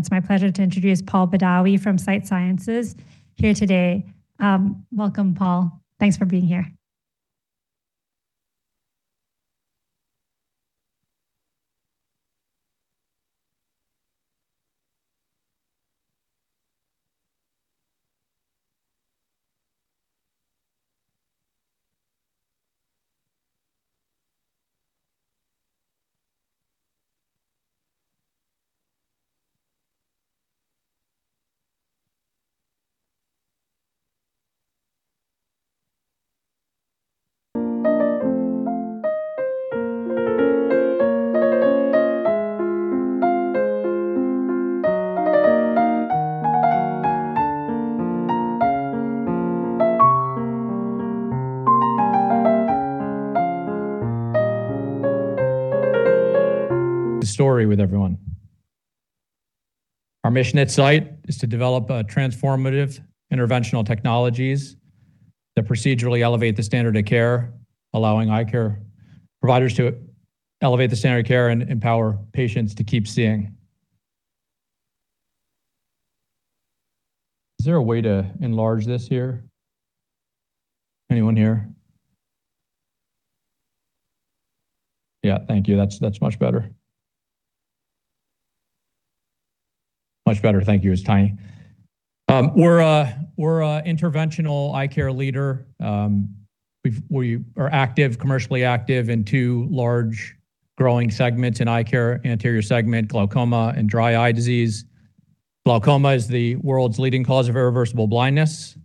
It's my pleasure to introduce Paul Badawi from Sight Sciences here today. Welcome, Paul. Thanks for being here. the story with everyone. Our mission at Sight is to develop transformative interventional technologies that procedurally elevate the standard of care, allowing eye care providers to elevate the standard of care and empower patients to keep seeing. Is there a way to enlarge this here? Anyone here? Yeah, thank you, that's much better. Much better, thank you. It was tiny. We're interventional eye care leader. We are active, commercially active in two large growing segments in eye care, anterior segment, glaucoma, and dry eye disease. Glaucoma is the world's leading cause of irreversible blindness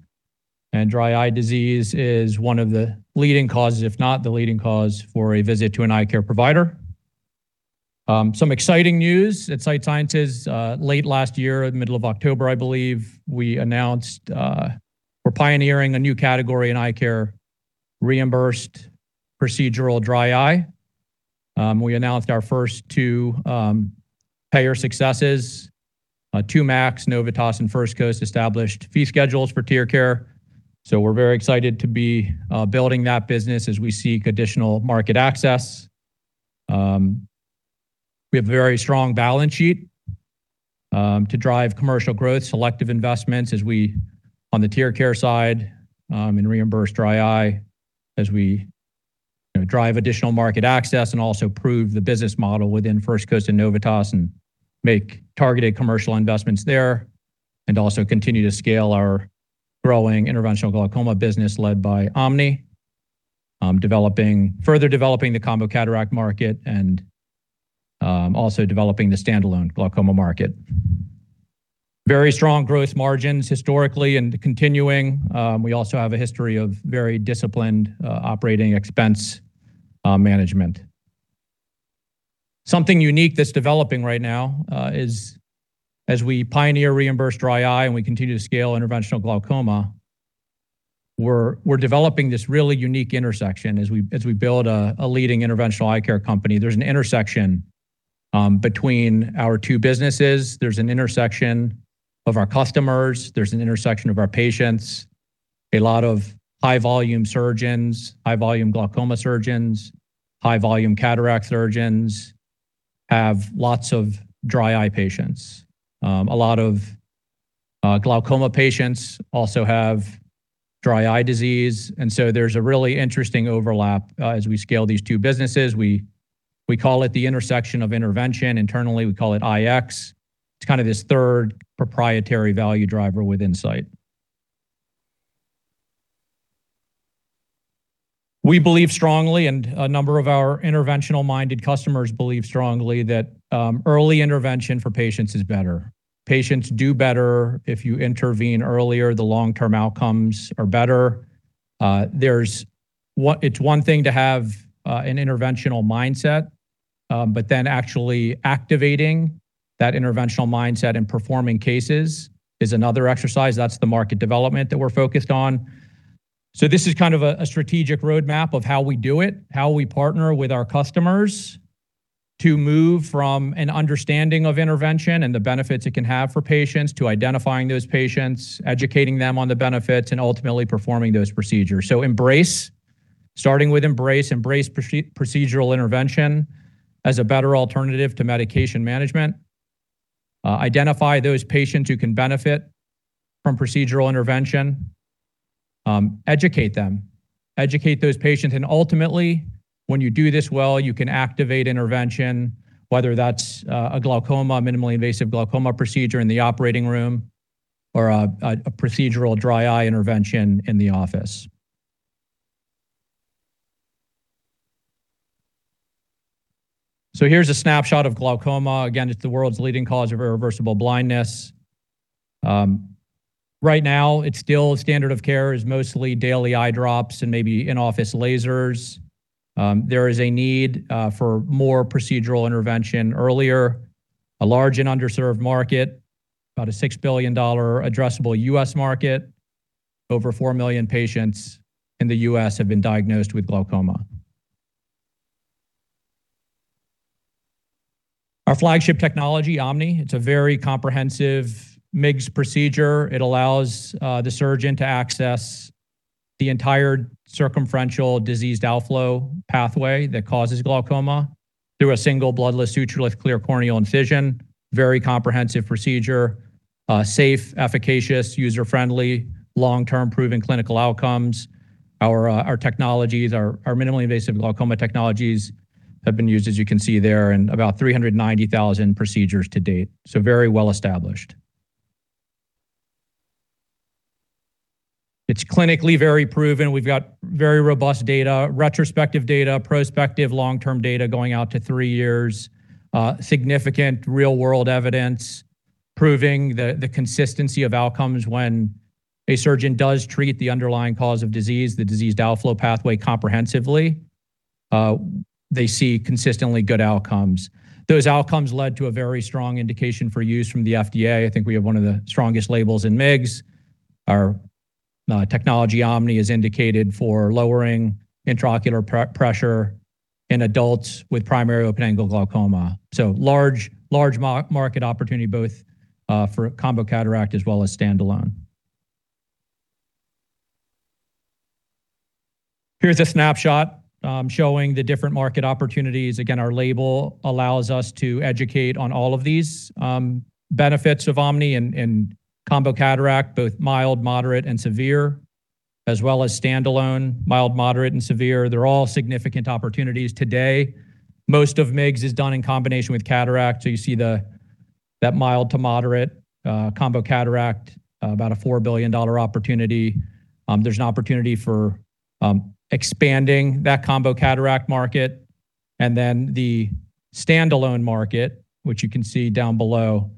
and dry eye disease is one of the leading causes, if not the leading cause, for a visit to an eye care provider. Some exciting news at Sight Sciences, late last year, in the middle of October, I believe, we announced, we're pioneering a new category in eye care, reimbursed procedural dry eye. We announced our first two payer successes, two MACs, Novitas and First Coast, established fee schedules for TearCare. We're very excited to be building that business as we seek additional market access. We have a very strong balance sheet to drive commercial growth, selective investments as we, on the TearCare side, in reimbursed dry eye, as we drive additional market access and also prove the business model within First Coast and Novitas and make targeted commercial investments there, and also continue to scale our growing interventional glaucoma business led by OMNI, further developing the combo cataract market and also developing the standalone glaucoma market. Very strong gross margins historically and continuing. We also have a history of very disciplined operating expense management. Something unique that's developing right now is as we pioneer reimbursed dry eye and we continue to scale interventional glaucoma, we're developing this really unique intersection as we build a leading interventional eye care company. There's an intersection between our two businesses. There's an intersection of our customers. There's an intersection of our patients. A lot of high-volume surgeons, high-volume glaucoma surgeons, high-volume cataract surgeons have lots of dry eye patients. A lot of glaucoma patients also have dry eye disease. There's a really interesting overlap as we scale these two businesses. We call it the intersection of intervention. Internally, we call it IX. It's kind of this third proprietary value driver within Sight. We believe strongly, and a number of our interventional-minded customers believe strongly that early intervention for patients is better. Patients do better if you intervene earlier, the long-term outcomes are better. It's one thing to have an interventional mindset, but then actually activating that interventional mindset and performing cases is another exercise. That's the market development that we're focused on. This is kind of a strategic roadmap of how we do it, how we partner with our customers to move from an understanding of intervention and the benefits it can have for patients to identifying those patients, educating them on the benefits, and ultimately performing those procedures. So, embrace, starting with embrace procedural intervention as a better alternative to medication management, identify those patients who can benefit from procedural intervention, educate them, educate those patients, and ultimately, when you do this well, you can activate intervention, whether that's a glaucoma, minimally invasive glaucoma procedure in the operating room or a procedural dry eye intervention in the office. Here's a snapshot of glaucoma. Again, it's the world's leading cause of irreversible blindness. Right now, its, still, standard of care is mostly daily eye drops and maybe in-office lasers. There is a need for more procedural intervention earlier. A large and underserved market, about a $6 billion addressable U.S. market. Over 4 million patients in the U.S. have been diagnosed with glaucoma. Our flagship technology, OMNI, it's a very comprehensive MIGS procedure. It allows the surgeon to access the entire circumferential diseased outflow pathway that causes glaucoma through a single bloodless sutureless clear corneal incision. Very comprehensive procedure. Safe, efficacious, user-friendly, long-term proven clinical outcomes. Our technologies, our minimally invasive glaucoma technologies have been used, as you can see there, in about 390,000 procedures to date, so, very well-established. It's clinically very proven. We've got very robust data, retrospective data, prospective long-term data going out to three years. Significant real-world evidence proving the consistency of outcomes when a surgeon does treat the underlying cause of disease, the diseased outflow pathway comprehensively, they see consistently good outcomes. Those outcomes led to a very strong indication for use from the FDA. I think we have one of the strongest labels in MIGS. Our technology OMNI is indicated for lowering intraocular pressure in adults with primary open-angle glaucoma. So, large, large market opportunity both for combo cataract as well as standalone. Here's a snapshot showing the different market opportunities. Again, our label allows us to educate on all of these benefits of OMNI in combo cataract, both mild, moderate, and severe, as well as standalone, mild, moderate, and severe. They're all significant opportunities today. Most of MIGS is done in combination with cataract. You see the that mild to moderate combo cataract, about a $4 billion opportunity. There's an opportunity for expanding that combo cataract market, and then the standalone market, which you can see down below,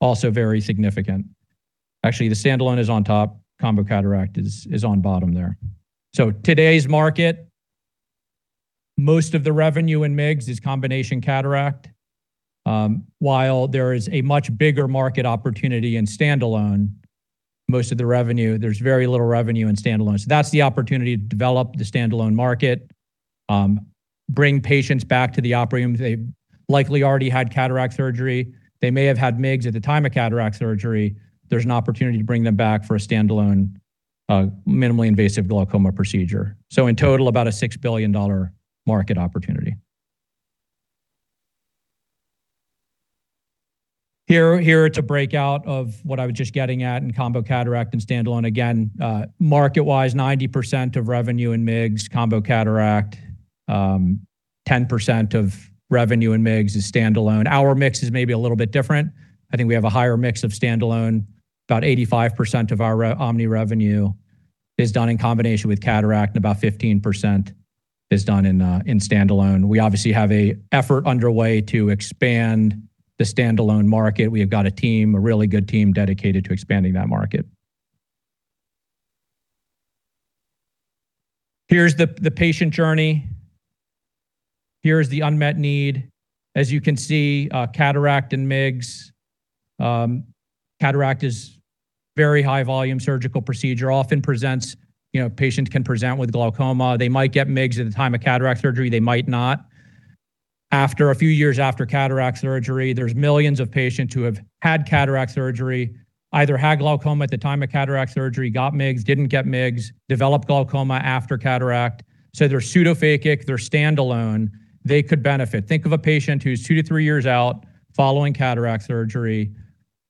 also very significant. Actually, the standalone is on top, combo cataract is on bottom there. Today's market, most of the revenue in MIGS is combination cataract. While there is a much bigger market opportunity in standalone, most of the revenue, there's very little revenue in standaloneThat's the opportunity to develop the standalone market, bring patients back to the operating room. They've likely already had cataract surgery. They may have had MIGS at the time of cataract surgery. There's an opportunity to bring them back for a standalone, minimally invasive glaucoma procedure. In total, about a $6 billion market opportunity. Here it's a breakout of what I was just getting at in combo cataract and standalone. Again, marketwise, 90% of revenue in MIGS, combo cataract, 10% of revenue in MIGS is standalone. Our mix is maybe a little bit different. I think we have a higher mix of standalone. About 85% of our OMNI revenue is done in combination with cataract, and about 15% is done in standalone. We obviously have a effort underway to expand the standalone market. We have got a team, a really good team dedicated to expanding that market. Here's the patient journey. Here's the unmet need. As you can see, cataract and MIGS. Cataract is very high-volume surgical procedure, often presents, you know, patients can present with glaucoma. They might get MIGS at the time of cataract surgery, they might not. After a few years after cataract surgery, there's millions of patients who have had cataract surgery, either had glaucoma at the time of cataract surgery, got MIGS, didn't get MIGS, developed glaucoma after cataract. So, they're pseudophakic, they're standalone, they could benefit. Think of a patient who's two to three years out following cataract surgery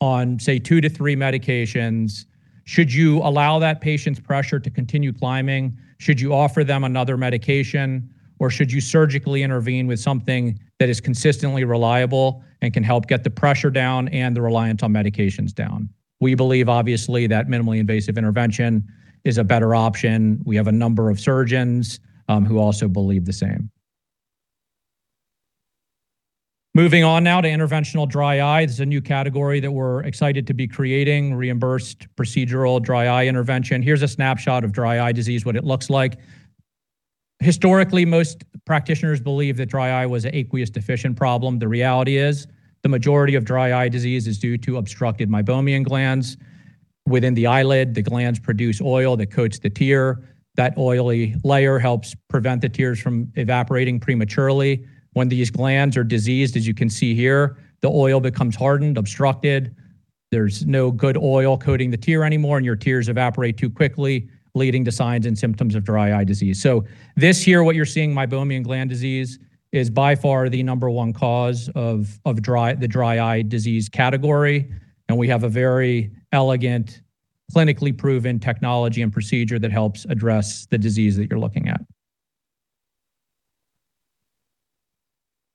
on, say, two to three medications. Should you allow that patient's pressure to continue climbing? Should you offer them another medication? Or should you surgically intervene with something that is consistently reliable and can help get the pressure down and the reliance on medications down? We believe, obviously, that minimally invasive intervention is a better option. We have a number of surgeons who also believe the same. Moving on now to interventional dry eye. This is a new category that we're excited to be creating, reimbursed procedural dry eye intervention. Here's a snapshot of dry eye disease, what it looks like. Historically, most practitioners believe that dry eye was an aqueous deficient problem. The reality is the majority of dry eye disease is due to obstructed meibomian glands within the eyelid. The glands produce oil that coats the tear. That oily layer helps prevent the tears from evaporating prematurely. When these glands are diseased, as you can see here, the oil becomes hardened, obstructed. There's no good oil coating the tear anymore, and your tears evaporate too quickly, leading to signs and symptoms of dry eye disease. This here, what you're seeing, meibomian gland disease, is by far the number one cause of the dry eye disease category. We have a very elegant, clinically proven technology and procedure that helps address the disease that you're looking at.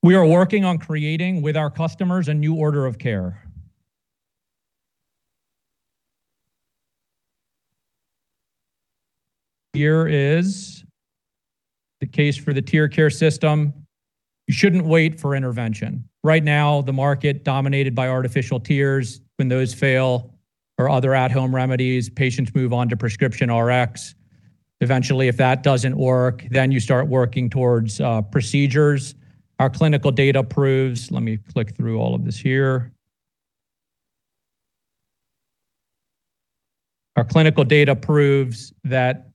We are working on creating with our customers a new order of care. Here is the case for the TearCare System. You shouldn't wait for intervention. Right now, the market dominated by artificial tears. When those fail or other at home remedies, patients move on to prescription Rx. Eventually, if that doesn't work, then you start working towards procedures. Our clinical data proves. Let me click through all of this here. Our clinical data proves that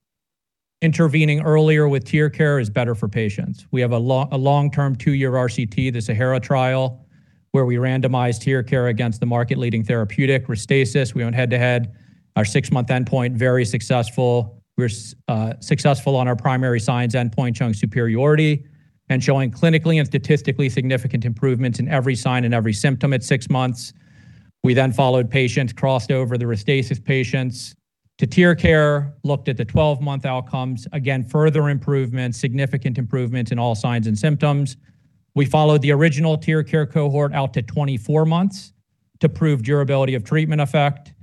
intervening earlier with TearCare is better for patients. We have a long-term two-year RCT, the SAHARA trial, where we randomized TearCare against the market-leading therapeutic RESTASIS. We went head-to-head. Our six-month endpoint, very successful. We're successful on our primary signs endpoint showing superiority and showing clinically and statistically significant improvements in every sign and every symptom at six months. We then followed patients, crossed over the RESTASIS patients to TearCare, looked at the 12-month outcomes. Again, further improvements, significant improvements in all signs and symptoms. We followed the original TearCare cohort out to 24 months to prove durability of treatment effect.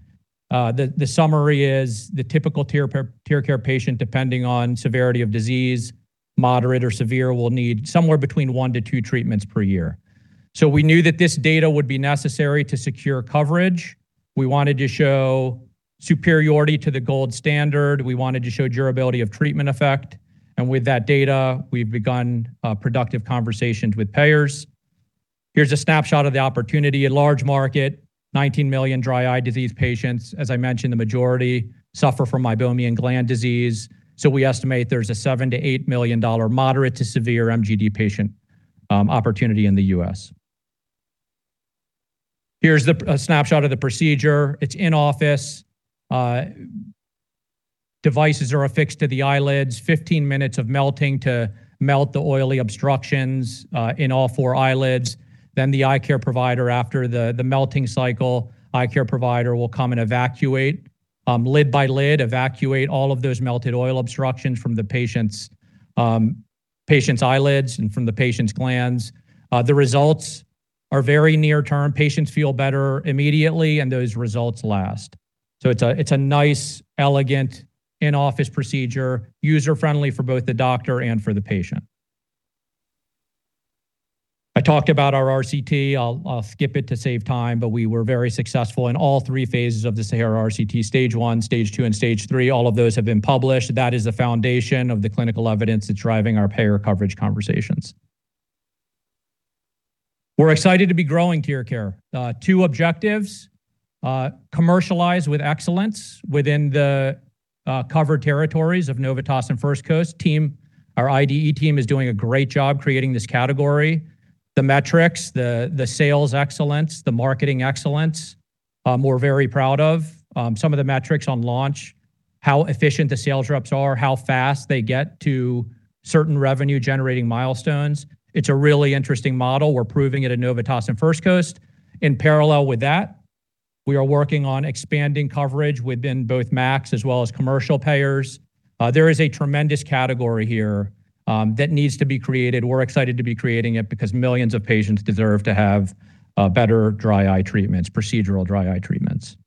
The summary is the typical TearCare patient, depending on severity of disease, moderate or severe, will need somewhere between one to two treatments per year. We knew that this data would be necessary to secure coverage. We wanted to show superiority to the gold standard. We wanted to show durability of treatment effect. With that data, we've begun productive conversations with payers. Here's a snapshot of the opportunity. A large market, 19 million dry eye disease patients. As I mentioned, the majority suffer from meibomian gland disease. We estimate there's a $7 million-$8 million moderate to severe MGD patient opportunity in the U.S. Here's a snapshot of the procedure. It's in-office. Devices are affixed to the eyelids, 15 minutes of melting to melt the oily obstructions in all four eyelids. Then, the eye care provider, after the melting cycle, eye care provider will come and evacuate lid by lid, evacuate all of those melted oil obstructions from the patient's eyelids and from the patient's glands. The results are very near-term. Patients feel better immediately, and those results last. It's a nice, elegant in-office procedure, user-friendly for both the doctor and for the patient. I talked about our RCT, I'll skip it to save time, but we were very successful in all three phases of the SAHARA RCT, Stage I, Stage II, and Stage III. All of those have been published. That is the foundation of the clinical evidence that's driving our payer coverage conversations. We're excited to be growing TearCare. Two objectives: commercialize with excellence within the covered territories of Novitas and First Coast. Our IDE team is doing a great job creating this category. The metrics, the sales excellence, the marketing excellence, we're very proud of. Some of the metrics on launch, how efficient the sales reps are, how fast they get to certain revenue-generating milestones. It's a really interesting model. We're proving it at Novitas and First Coast. In parallel with that, we are working on expanding coverage within both MACs as well as commercial payers. There is a tremendous category here that needs to be created. We're excited to be creating it because millions of patients deserve to have better dry eye treatments, procedural dry eye treatments.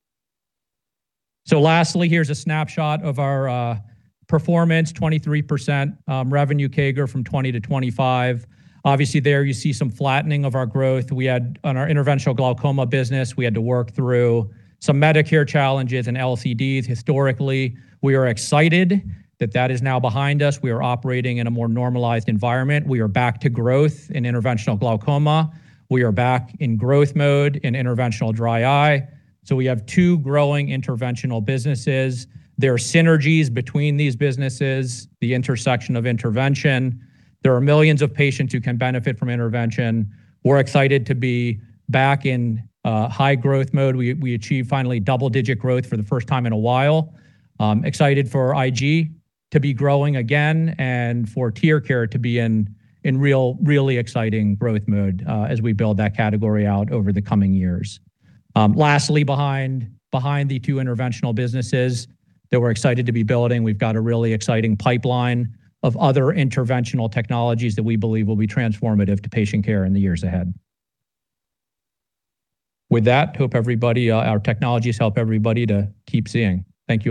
Lastly, here's a snapshot of our performance, 23% revenue CAGR from 2020 to 2025. Obviously, there you see some flattening of our growth we had on our interventional glaucoma business. We had to work through some Medicare challenges and LCDs historically. We are excited that that is now behind us. We are operating in a more normalized environment. We are back to growth in interventional glaucoma. We are back in growth mode in interventional dry eye. We have two growing interventional businesses. There are synergies between these businesses, the intersection of intervention. There are millions of patients who can benefit from intervention. We're excited to be back in high-growth mode. We achieved finally double-digit growth for the first time in a while. Excited for IG to be growing again and for TearCare to be in really exciting growth mode as we build that category out over the coming years. Lastly, behind the two interventional businesses that we're excited to be building, we've got a really exciting pipeline of other interventional technologies that we believe will be transformative to patient care in the years ahead. With that, hope everybody, our technologies help everybody to keep seeing. Thank you all.